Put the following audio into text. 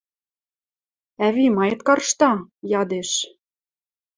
— Ӓви, маэт каршта? — ядеш.